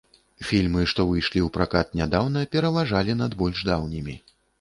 Фільмы, што выйшлі ў пракат нядаўна, пераважалі над больш даўнімі.